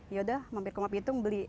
yaudah mampir ke rumah pitung beli